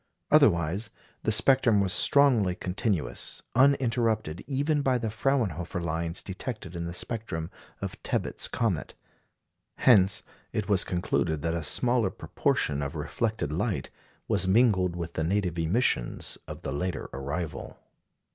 Otherwise the spectrum was strongly continuous, uninterrupted even by the Fraunhofer lines detected in the spectrum of Tebbutt's comet. Hence it was concluded that a smaller proportion of reflected light was mingled with the native emissions of the later arrival.